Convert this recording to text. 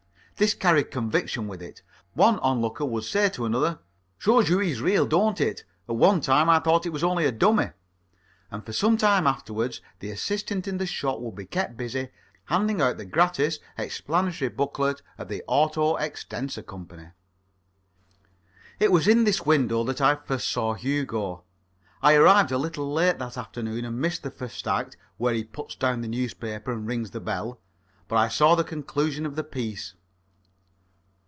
This carried conviction with it. One onlooker would say to another: "Shows you he's real, don't it? At one time I thought it was only a dummy." And for some time afterwards the assistant in the shop would be kept busy, handing out the gratis explanatory booklet of the Auto extensor Co. It was in this window that I first saw Hugo. I arrived a little late that afternoon, and missed the first act, where he puts down the newspaper and rings the bell. But I saw the conclusion of the piece.